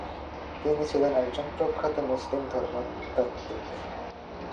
তিনি ছিলেন একজন প্রখ্যাত মুসলিম ধর্মতাত্ত্বিক।